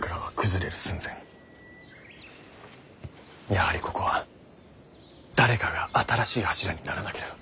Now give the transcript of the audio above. やはりここは誰かが新しい柱にならなければ。